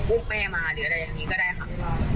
มุ่งแม่มาหรืออะไรอย่างนี้ก็ได้ค่ะ